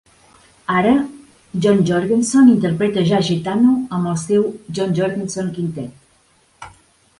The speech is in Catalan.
Ara John Jorgenson interpreta jazz gitano amb el seu John Jorgenson Quintet.